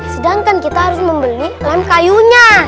sedangkan kita harus membeli lem kayunya